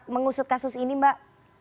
mengusut kasus ini mbak